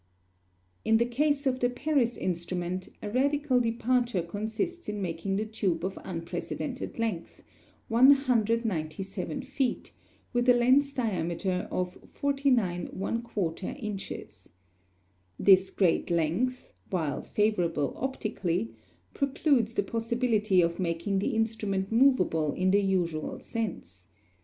In the case of the Paris instrument a radical departure consists in making the tube of unprecedented length, 197 feet, with a lens diameter of 49¼ inches. This great length, while favorable optically, precludes the possibility of making the instrument movable in the usual sense.